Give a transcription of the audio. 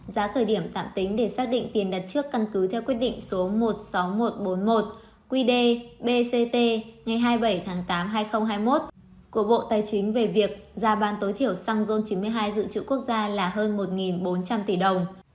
giá khởi điểm tạm tính để xác định tiền đặt trước căn cứ theo quyết định số một mươi sáu nghìn một trăm bốn mươi một qd bct ngày hai mươi bảy tháng tám hai nghìn hai mươi một của bộ tài chính về việc giá bán tối thiểu xăng chín mươi hai dự trữ quốc gia là hơn một bốn trăm linh tỷ đồng